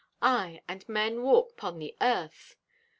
Aye, and men walk 'pon the Earth.